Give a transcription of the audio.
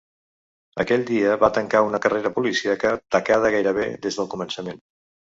Aquell dia va tancar una carrera policíaca tacada gairebé des del començament.